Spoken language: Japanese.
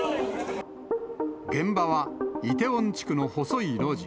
現場はイテウォン地区の細い路地。